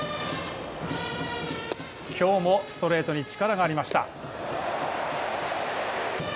きょうもストレートに力がありました。